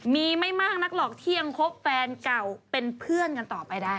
มีไม่มากนักหรอกที่ยังคบแฟนเก่าเป็นเพื่อนกันต่อไปได้